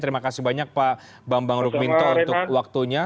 terima kasih banyak pak bambang rukminto untuk waktunya